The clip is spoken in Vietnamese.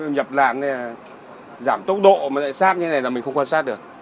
nhập làn giảm tốc độ xác như thế này là mình không quan sát được